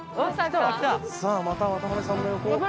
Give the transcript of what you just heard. さあまた渡辺さんの横を。